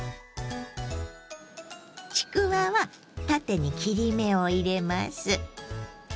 ちくわは縦に切り目を入れます。